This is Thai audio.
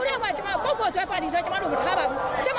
ส่วนการรวมตัวกันชุมนุมตัว